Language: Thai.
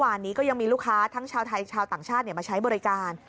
วันนี้ก็ยังมีลูกค้าทั้งชาวไทยชาวต่างชาติมาใช้บริการ